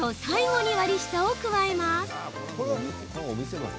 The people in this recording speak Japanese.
最後に割り下を加えます。